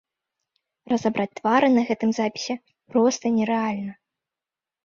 Разабраць твары на гэтым запісе проста нерэальна.